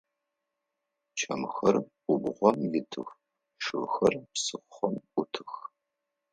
Чэмхэр губгъом итых, шыхэр псыхъом ӏутых.